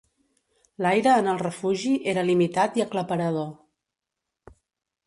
L'aire en el refugi era limitat i aclaparador.